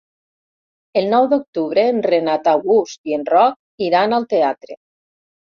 El nou d'octubre en Renat August i en Roc iran al teatre.